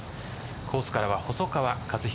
コースからは細川和彦